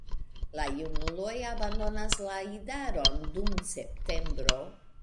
La junuloj abandonas la idaron dum septembro.